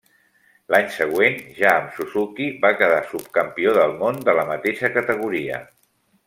L'any següent, ja amb Suzuki, va quedar subcampió del món de la mateixa categoria.